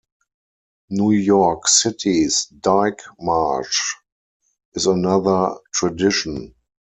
New York City's Dyke March is another tradition.